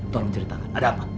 tolong ceritakan ada apa